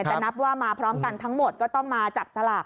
แต่นับว่ามาพร้อมกันทั้งหมดก็ต้องมาจับสลาก